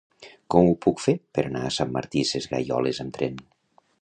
Com ho puc fer per anar a Sant Martí Sesgueioles amb tren?